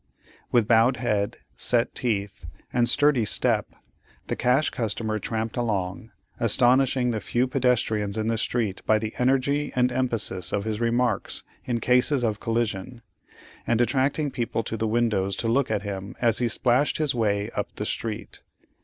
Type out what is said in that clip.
With bowed head, set teeth, and sturdy step, the cash customer tramped along, astonishing the few pedestrians in the street by the energy and emphasis of his remarks in cases of collision, and attracting people to the windows to look at him as he splashed his way up the street.